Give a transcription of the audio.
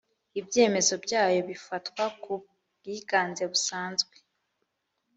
ibyemezo byayo bifatwa ku bwiganze busanzwe